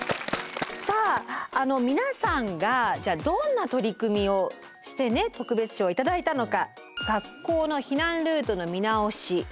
さあ皆さんがどんな取り組みをしてね特別賞を頂いたのか。